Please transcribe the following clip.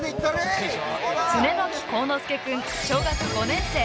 常軒幸之介君、小学５年生。